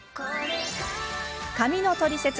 髪のトリセツ。